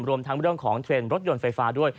รวมทั้งเรื่องของเทรนด์รถยนต์ไฟฟ้าด้วย